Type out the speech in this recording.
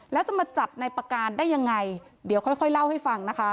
แล้วจะมาจับในประการได้ยังไงเดี๋ยวค่อยเล่าให้ฟังนะคะ